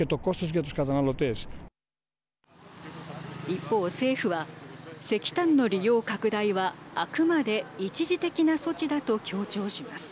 一方、政府は石炭の利用拡大はあくまで一時的な措置だと強調します。